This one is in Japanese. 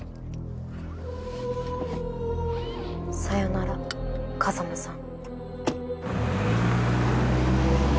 さよなら風真さん。